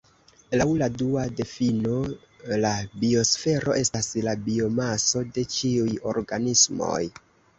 Laŭ la dua difino la biosfero estas la biomaso de ĉiuj organismoj.